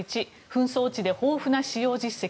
１紛争地で豊富な使用実績。